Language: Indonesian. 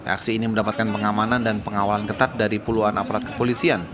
aksi ini mendapatkan pengamanan dan pengawalan ketat dari puluhan aparat kepolisian